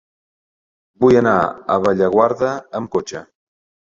Vull anar a Bellaguarda amb cotxe.